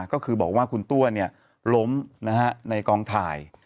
ก็คือบอกว่าคุณตัวล้มในกองถ่าย